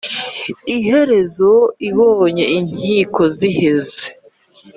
Iherezo ibonye inkiko ziheze